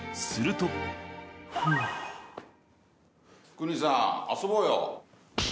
クニさん遊ぼうよ。